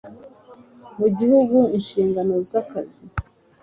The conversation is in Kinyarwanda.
mu gihugu inshingano za akazi